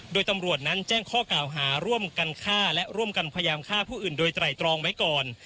โดยตำรวจนั้นแจ้งข้อกล่าวหาร่วมกันฆ่าและร่วมกันพยายามฆ่าผู้อื่นโดยไตรตรองไว้ก่อน